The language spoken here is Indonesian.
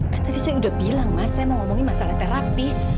kan tadi saya udah bilang mas saya mau ngomongin masalah terapi